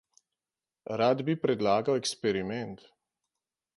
Rad bi predlagal eksperiment.